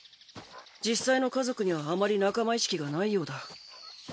実際の家族にはあまり仲間意識がないようだ。